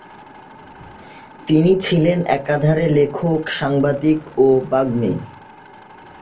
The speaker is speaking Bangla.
তিনি ছিলেন একাধারে লেখক, সাংবাদিক ও বাগ্মী।